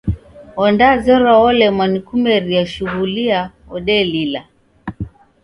Wodazerwa wolemwa nikumeria shughulia wodelila.